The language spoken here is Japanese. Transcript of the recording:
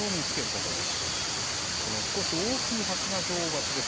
この少し大きいハチが女王バチです。